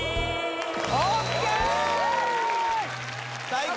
最高！